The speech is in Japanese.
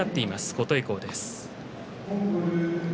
琴恵光です。